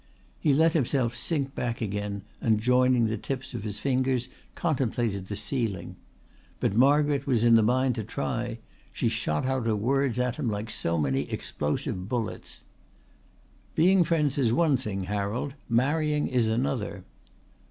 He let himself sink back again and joining the tips of his fingers contemplated the ceiling. But Margaret was in the mind to try. She shot out her words at him like so many explosive bullets. "Being friends is one thing, Harold. Marrying is another."